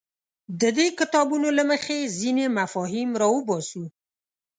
د دې کتابونو له مخې ځینې مفاهیم راوباسو.